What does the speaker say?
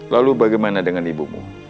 lalu bagaimana dengan ibumu